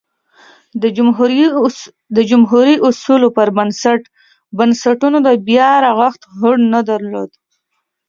د جمهوري اصولو پر بنسټ بنسټونو د بیا رغښت هوډ نه درلود